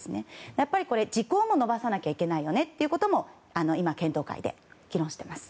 やっぱり時効も延ばさなきゃいけないよねということも今、検討会で議論しています。